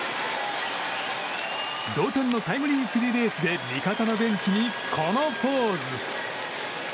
同点のタイムリースリーベースで味方のベンチに、このポーズ。